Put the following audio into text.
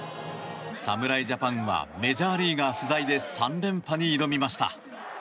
侍ジャパンはメジャーリーガー不在で３連覇に挑みました。